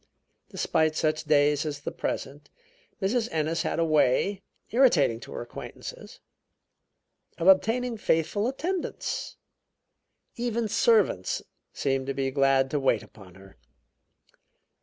Despite such days as the present, Mrs. Ennis had a way, irritating to her acquaintances, of obtaining faithful attendance. Even servants seemed to be glad to wait upon her.